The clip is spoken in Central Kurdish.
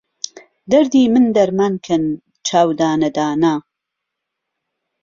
دهردی من دهرمان کهن، چاو دانهدانه